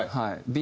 Ｂ